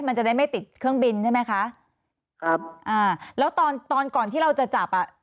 มันจะได้ไม่ติดเครื่องบินใช่ไหมคะครับอ่าแล้วตอนตอนก่อนที่เราจะจับอ่ะ